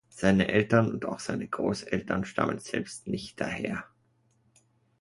Seine Eltern und auch seine Großeltern stammen selbst nicht daher.